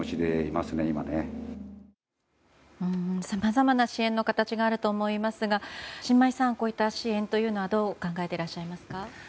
さまざまな支援の形があると思いますが申真衣さん、こういった支援はどう考えていらっしゃいますか？